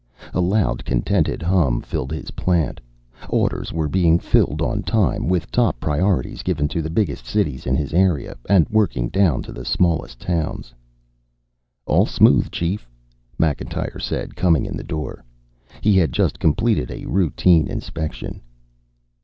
A loud contented hum filled his plant. Orders were being filled on time, with top priorities given to the biggest cities in his area, and working down to the smallest towns. "All smooth, Chief," Macintyre said, coming in the door. He had just completed a routine inspection.